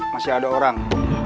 masih ada orang